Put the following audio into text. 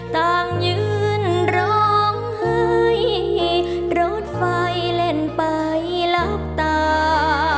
ต่างยืนร้องไห้รถไฟเล่นไปหลับตา